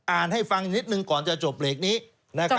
อ่านให้ฟังนิดนึงก่อนจะจบเหล็กนี้นะครับ